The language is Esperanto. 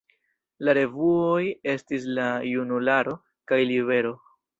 La revuoj estis "La Junularo" kaj "Libero".